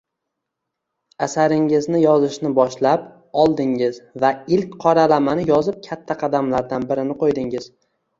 Asaringizni yozishni boshlab oldingiz va ilk qoralamani yozib katta qadamlardan birini qo’ydingiz